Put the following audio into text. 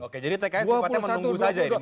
oke jadi tkn sempatnya menunggu saja ini